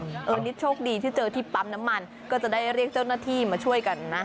อันนี้โชคดีที่เจอที่ปั๊มน้ำมันก็จะได้เรียกเจ้าหน้าที่มาช่วยกันนะ